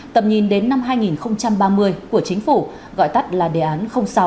tầm nhìn đến năm hai nghìn ba mươi của chính phủ gọi tắt là đề án sáu